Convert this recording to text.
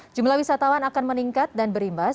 jumlah wisatawan akan meningkat dan berimbas